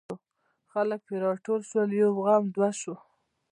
خلک پر راټول شول یو غم دوه شو.